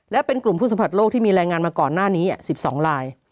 และเป็นกลุ่มผู้สัมผัสโลกที่มีรายงานมาก่อนหน้านี้๑๒ลาย